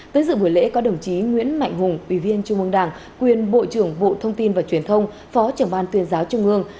tới dự buổi lễ có đồng chí nguyễn mạnh hùng ủy viên trung ương đảng quyền bộ trưởng bộ thông tin và truyền thông phó trưởng ban tuyên giáo trung ương